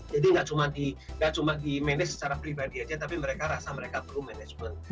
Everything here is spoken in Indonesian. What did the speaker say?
jadi gak cuma di manage secara pribadi aja tapi mereka rasa mereka perlu management